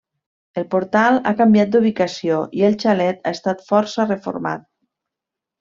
El portal ha canviat d'ubicació i el xalet ha estat força reformat.